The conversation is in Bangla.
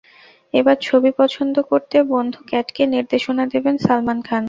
এবার ছবি পছন্দ করতে বন্ধু ক্যাটকে নির্দেশনা দেবেন সালমান খান।